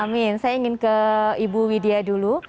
amin saya ingin ke ibu widya dulu